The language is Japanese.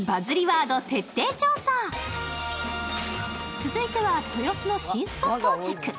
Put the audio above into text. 続いては豊洲の新スポットをチェック。